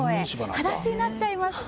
はだしになっちゃいました。